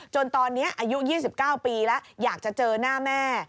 จนตอนนี้อายุ๒๙ปีแล้วอยากจะเจอหน้าแม่